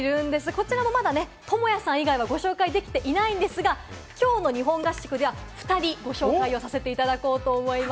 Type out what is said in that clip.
こちらもまだね、トモヤさん以外はご紹介できていないんですが、きょうの日本合宿では２人ご紹介させていただこうと思います。